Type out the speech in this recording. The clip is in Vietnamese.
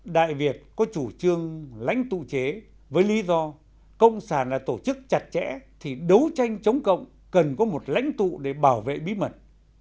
đại việt có chủ trương lãnh tụ chế với lý do công sản là tổ chức chặt chẽ thì đấu tranh chống cộng cần có một lãnh tụ để bảo vệ bí mật